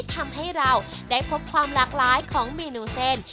ทำให้เราได้พบความหลากหลายของเมนูเส้น